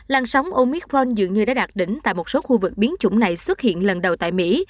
lan sóng omicron dường như đã đạt đỉnh tại một số khu vực biến chủng này xuất hiện lần đầu tại mỹ